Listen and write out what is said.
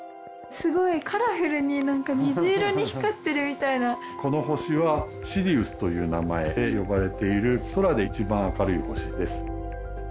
すごいカラフルに水色に光ってるみたいなこの星はシリウスという名前で呼ばれている空で一番明るい星です